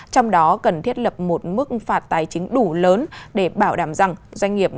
trong đó cần thiết lập một mức phạt tài chính đủ lớn để bảo đảm rằng doanh nghiệp